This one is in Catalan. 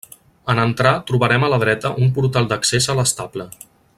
En entrar trobarem a la dreta un portal d'accés a l'estable.